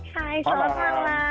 hai selamat malam